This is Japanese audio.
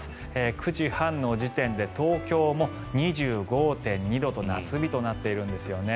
９時半の時点で東京も２５．２度と夏日となっているんですね。